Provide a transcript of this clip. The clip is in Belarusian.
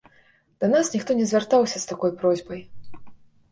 Да нас ніхто не звяртаўся з такой просьбай.